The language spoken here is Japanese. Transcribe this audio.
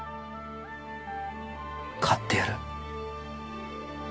買ってやる。